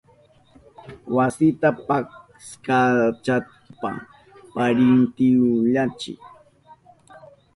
Wasita paskananchipa parintillanchi.